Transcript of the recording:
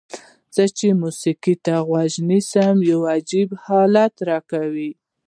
زه چې موسیقۍ ته غوږ نیسم یو عجیب حالت راکوي.